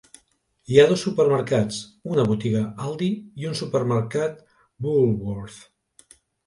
Hi ha dos supermercats: una botiga Aldi i un supermercat Woolworth.